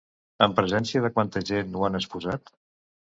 En presència de quanta gent ho han exposat?